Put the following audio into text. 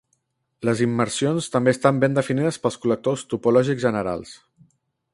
Les immersions també estan ben definides pels col·lectors topològics generals.